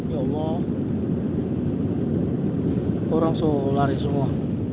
ya allah orang so lari semua